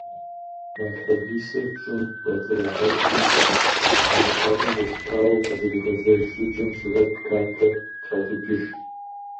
Малъхъэдисыр щӀым кӀуэцӀрагъэкӀри, зрихьэлӀэм елъытауэ къызэригъэзэж щӀыкӀэм сурэт, картэ тращӀыкӀыж.